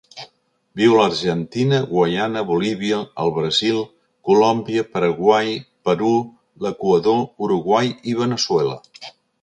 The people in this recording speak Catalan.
Viu a l'Argentina, Guaiana, Bolívia, el Brasil, Colòmbia, Paraguai, Perú, l'Equador, Uruguai i Veneçuela.